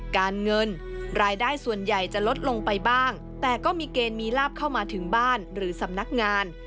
การเงินรายได้ส่วนใหญ่จะลดลงไปบ้างแต่ก็มีเกณฑ์มีลาบเข้ามาถึงบ้านหรือสำนักงาน